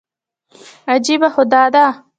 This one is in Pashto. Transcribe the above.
عجیبه خو دا ده.